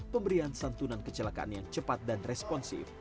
pemberian santunan kecelakaan yang cepat dan responsif